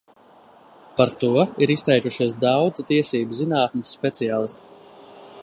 Par to ir izteikušies daudzi tiesību zinātnes speciālisti.